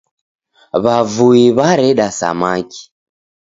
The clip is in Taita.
W'avui w'areda samaki.